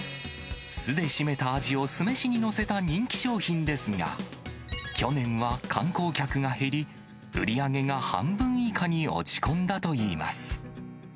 酢で絞めたあじを酢飯に載せた人気商品ですが、去年は観光客が減り、売り上げが半分以下に落ち込んだといいます。